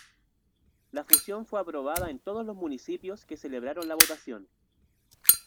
La fusión fue aprobada en todos los municipios que celebraron la votación.